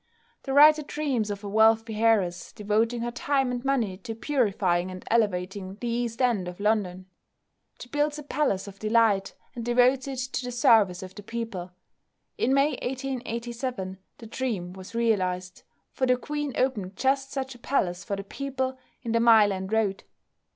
The writer dreams of a wealthy heiress devoting her time and money to purifying and elevating the East End of London. She builds a Palace of Delight, and devotes it to the service of the people. In May, 1887, the dream was realised, for the Queen opened just such a Palace for the People in the Mile End Road.